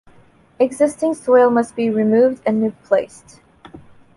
Existing soil must be removed and replaced.